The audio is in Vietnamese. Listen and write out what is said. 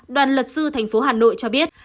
đoàn luật sư thành phố hà nội cho biết